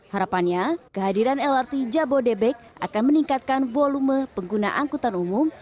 harapannya kehadiran lrt jabodebek akan meningkatkan volume pengguna angkutan umum